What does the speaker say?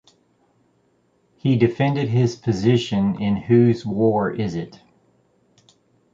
He defended his position in Whose War Is It?